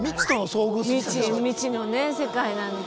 未知未知のね世界なので。